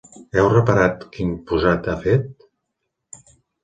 Heu reparat quin posat ha fet?